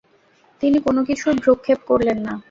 তিনি কোন কিছুর ভ্রুক্ষেপ করলেন না।